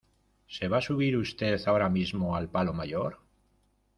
se va a subir usted ahora mismo al palo mayor